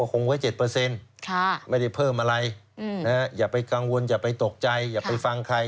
คงไว้๗ไม่ได้เพิ่มอะไรอย่าไปกังวลอย่าไปตกใจอย่าไปฟังใคร